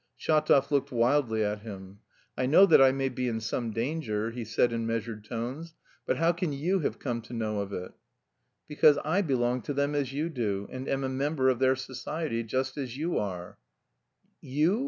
Shatov looked wildly at him. "I know that I may be in some danger," he said in measured tones, "but how can you have come to know of it?" "Because I belong to them as you do, and am a member of their society, just as you are." "You...